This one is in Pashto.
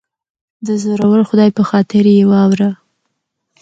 دزورور خدای په خاطر یه واوره